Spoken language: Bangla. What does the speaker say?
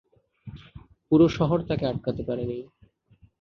পুরো শহর তাকে আটকাতে পারেনি!